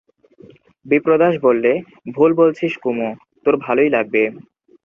বিপ্রদাস বললে, ভুল বলছিস কুমু, তোর ভালোই লাগবে।